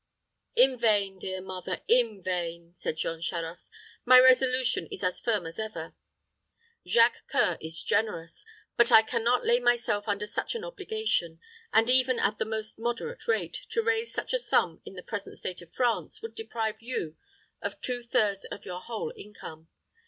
"In vain, dear mother in vain," said Jean Charost. "My resolution is as firm as ever. Jacques C[oe]ur is generous; but I can not lay myself under such an obligation, and even at the most moderate rate, to raise such a sum in the present state of France, would deprive you of two thirds of your whole income.